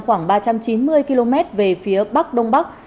khoảng ba trăm chín mươi km về phía bắc đông bắc